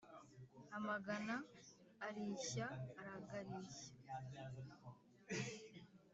Amagana arishya* aragarishya*.